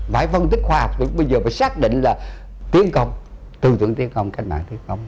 phải phân tích khoa học bây giờ phải xác định là tiến công tư tưởng tiến công khách mạng tiến công